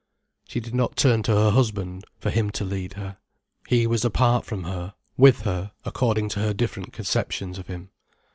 She did not turn to her husband, for him to lead her. He was apart from her, with her, according to her different conceptions of him.